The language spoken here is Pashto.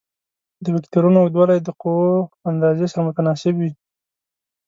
د وکتورونو اوږدوالی د قوو اندازې سره متناسب وي.